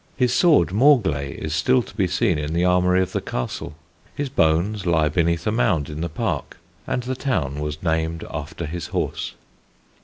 His sword Morglay is still to be seen in the armoury of the castle; his bones lie beneath a mound in the park; and the town was named after his horse.